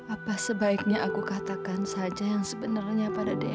apa sebaiknya aku katakan saja yang sebenarnya pada dia